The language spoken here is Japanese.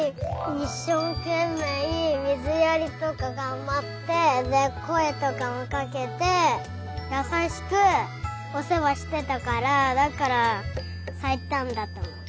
いっしょうけんめいみずやりとかがんばってでこえとかもかけてやさしくおせわしてたからだからさいたんだとおもう。